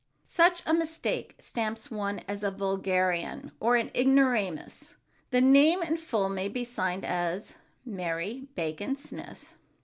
Such a mistake stamps one as a vulgarian or an ignoramus. The name in full may be signed, as: "Mary Bacon Smith."